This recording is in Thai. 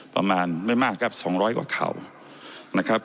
ประมาณไม่มากครับ๒๐๐กว่าเข่านะครับ